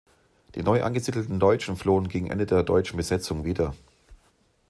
Die neu angesiedelten Deutschen flohen gegen Ende der deutschen Besetzung wieder.